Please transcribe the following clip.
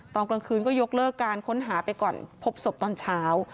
ตอนกลางคืนก็ยกเลิกการค้นหาไปก่อนพบศพตอนเช้า